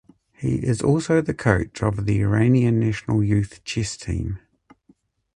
He is also the coach of the Iranian national youth chess team.